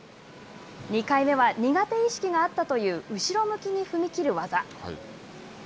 ２回目は、苦手意識があったという後ろ向きに踏み切る技。